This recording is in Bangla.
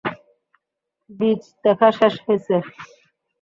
বীচ দেখা শেষ হইছে?